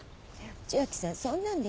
「千明さん。